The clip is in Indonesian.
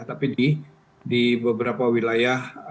tapi di beberapa wilayah